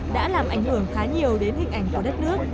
đã làm ảnh hưởng khá nhiều đến hình ảnh của đất nước